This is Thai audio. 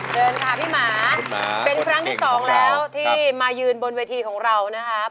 เชิญค่ะพี่หมาเป็นครั้งที่สองแล้วที่มายืนบนเวทีของเรานะครับ